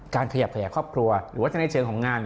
ขยับขยายครอบครัวหรือว่าจะในเชิงของงาน